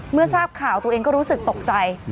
เมื่อทราบข่าวตัวเองก็รู้สึกตกใจ